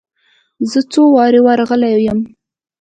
زه څو واره ور رغلى يم.